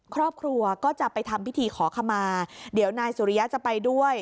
ครอบครัวก็จะไปทำพิธีขอขมาเดี๋ยวนายสุริยะจะไปด้วย